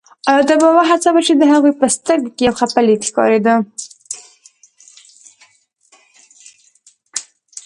ایا دا به وهڅول شي، د هغې په سترګو کې یو خپه لید ښکارېده.